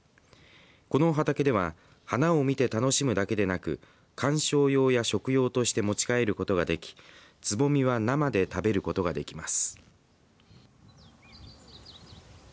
この畑では花を見て楽しむだけでなく観賞用や食用として持ち帰ることができつぼみは生で食べることができます。